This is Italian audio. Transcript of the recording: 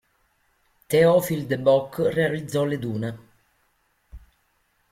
Théophile de Bock realizzò le dune.